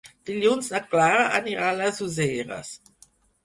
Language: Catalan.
Dilluns na Clara anirà a les Useres.